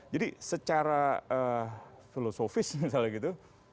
jadi secara filosofis misalnya gitu